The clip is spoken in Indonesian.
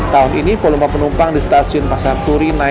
tahun ini volume penumpang di stasiun pasar turi naik